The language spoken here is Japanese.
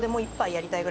やりたいね。